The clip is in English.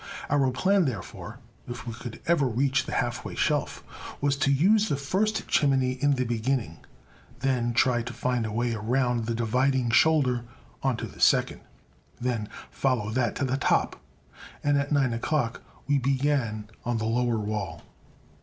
Our plan, therefore, if we could ever reach the halfway shelf, was to use the first chimney in the beginning, then try to find a way around the dividing shoulder into the second, then follow that to the top. And at 9 o'clock we began on the lower wall.